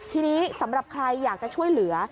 ทีนี้สำหรับใครอยากจะช่วยเหลือ